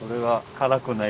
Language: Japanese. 辛くない。